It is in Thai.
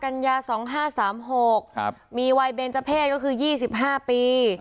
กันยา๒๕๓๖มีวัยเบนเจ้าเพศคือ๒๕ปี